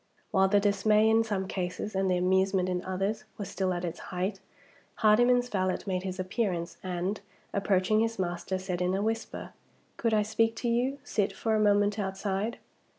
While the dismay, in some cases, and the amusement in others, was still at its height, Hardyman's valet made his appearance, and, approaching his master, said in a whisper, "Could I speak to you, sit, for a moment outside?"